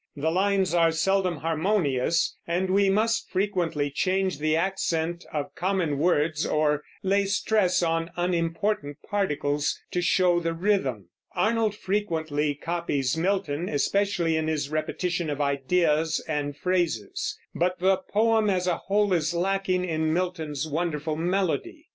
The lines are seldom harmonious, and we must frequently change the accent of common words, or lay stress on unimportant particles, to show the rhythm. Arnold frequently copies Milton, especially in his repetition of ideas and phrases; but the poem as a whole is lacking in Milton's wonderful melody.